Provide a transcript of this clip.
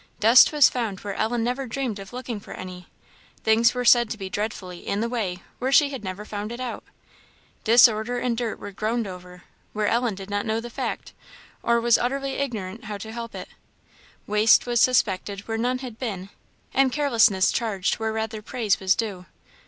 Dust was found where Ellen never dreamed of looking for any things were said to be dreadfully "in the way" where she had never found it out disorder and dirt were groaned over, where Ellen did not know the fact, or was utterly ignorant how to help it waste was suspected where none had been, and carelessness charged where rather praise was due.